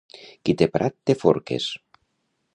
Qui té prat, té forques.